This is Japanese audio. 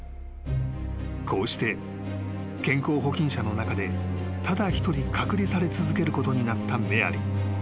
［こうして健康保菌者の中でただ一人隔離され続けることになったメアリー］